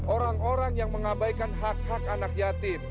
orang orang yang mengabaikan hak hak anak yatim